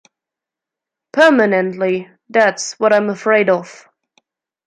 Permanently. That’s what I’m afraid of.